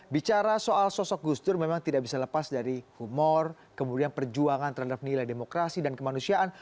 bicara soal sosok gus dur memang tidak bisa lepas dari humor kemudian perjuangan terhadap nilai demokrasi dan kemanusiaan